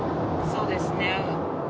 そうですね。